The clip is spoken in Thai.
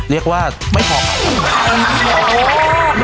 เรียกว่าไม่เหมาะกับสมบัติ